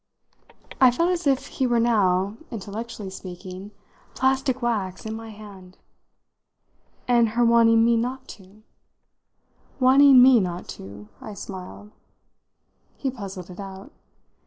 I felt as if he were now, intellectually speaking, plastic wax in my hand. "And her wanting me not to?" "Wanting me not to," I smiled. He puzzled it out.